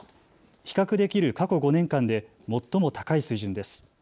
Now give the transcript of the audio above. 比較できる過去５年間で最も高い水準です。